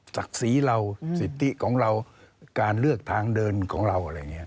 ศักดิ์ศรีเราสิทธิของเราการเลือกทางเดินของเราอะไรอย่างนี้